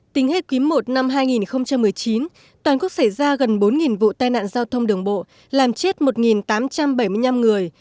tính hết quý i năm hai nghìn một mươi chín toàn quốc xảy ra gần bốn vụ tai nạn giao thông đường bộ làm chết một tám trăm bảy mươi năm người